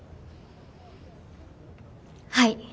はい。